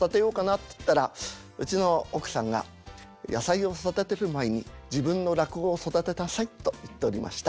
っつったらうちの奥さんが「野菜を育てる前に自分の落語を育てなさい」と言っておりました。